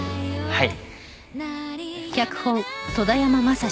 はい。